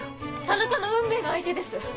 田中の運命の相手です。